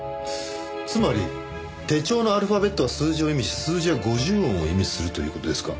つまり手帳のアルファベットは数字を意味し数字は五十音を意味するという事ですか。